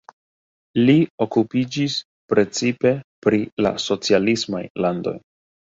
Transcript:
Li okupiĝis precipe pri la socialismaj landoj.